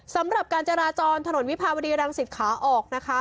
สำหรับการจราจรถนนวิภาวดีรังสิตขาออกนะคะ